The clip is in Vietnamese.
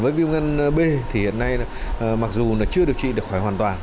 với viêm gan b mặc dù chưa điều trị được khỏi hoàn toàn